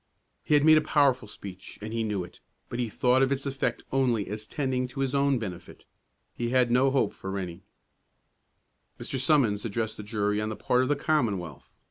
He had made a powerful speech, and he knew it; but he thought of its effect only as tending to his own benefit; he had no hope for Rennie. Mr. Summons addressed the jury on the part of the Commonwealth.